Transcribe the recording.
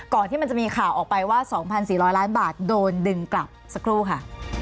ที่มันจะมีข่าวออกไปว่า๒๔๐๐ล้านบาทโดนดึงกลับสักครู่ค่ะ